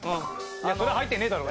そりゃ入ってねえだろ。